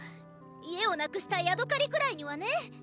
家をなくしたヤドカリくらいにはね！